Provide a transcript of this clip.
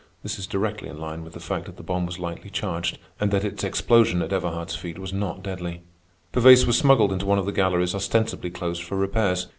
This is directly in line with the fact that the bomb was lightly charged, and that its explosion at Everhard's feet was not deadly. Pervaise was smuggled into one of the galleries ostensibly closed for repairs.